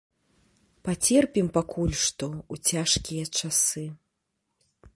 Пацерпім пакуль што, у цяжкія часы.